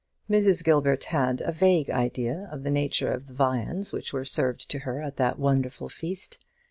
Mrs. Gilbert had a very vague idea of the nature of the viands which were served to her at that wonderful feast.